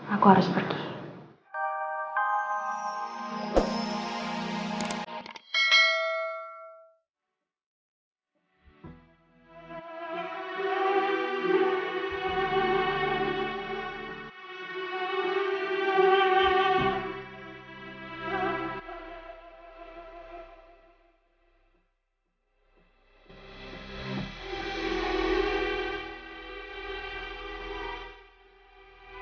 aku harus pergi